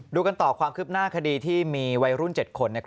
กันต่อความคืบหน้าคดีที่มีวัยรุ่น๗คน